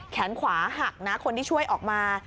แขนขวาหักนะคนที่ช่วยออกมา